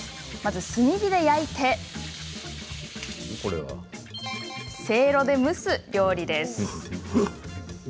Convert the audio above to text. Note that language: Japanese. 炭火で焼いてせいろで蒸す料理です。